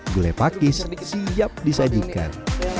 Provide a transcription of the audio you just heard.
gulai pakis siap disajikan